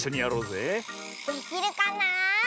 できるかな？